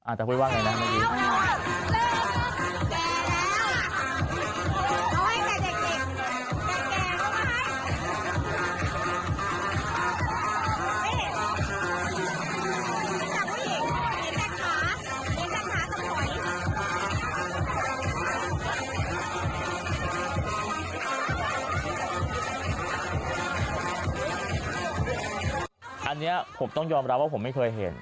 อันนี้ผมต้องยอมรับว่าผมไม่เคยเห็น